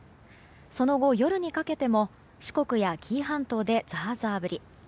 その後、夜にかけても四国や紀伊半島でザーザー降り。